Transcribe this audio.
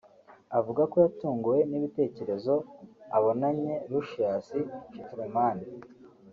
avuga ko yatunguwe n’ibitekerezo abonanye Luscious Chiturumani